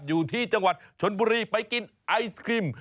อยู่ที่จังหวัดชนบุรีไปกินไอศครีม